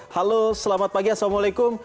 halo selamat pagi assalamualaikum